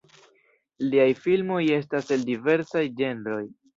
Liaj filmoj estas el diversaj ĝenroj.